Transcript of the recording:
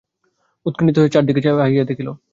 উৎকন্ঠিত হইয়া চারি দিকে চাহিয়া দেখিল।